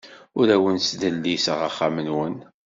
Ur awen-ttdelliseɣ axxam-nwen.